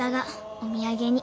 お土産に。